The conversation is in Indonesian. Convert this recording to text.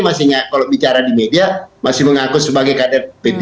masih kalau bicara di media masih mengaku sebagai kader p tiga